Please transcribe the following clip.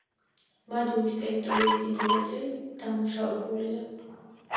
მადურის ტერიტორიის დიდი ნაწილი დამუშავებულია.